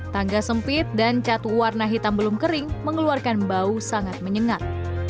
tangga sempit dan cat warna hitam belum kering mengeluarkan bau sangat menyengat